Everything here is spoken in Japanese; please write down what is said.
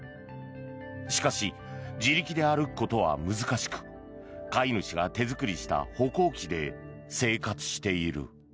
しかし、自力で歩くことは難しく飼い主が手作りした歩行器で生活している。